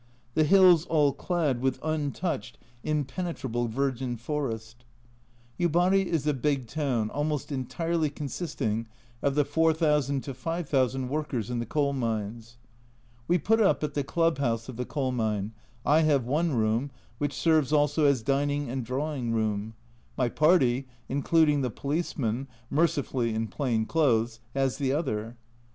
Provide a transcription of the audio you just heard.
The hills all clad with untouched, im 14 A Journal from Japan penetrable virgin forest Yubari is a "big" town, almost entirely consisting of the 4000 to 5000 workers in the coal mines. We put up at the Club house of the coal mine. I have one room, which serves also as dining and drawing room ; my party, including the policeman (mercifully in plain clothes), has the other.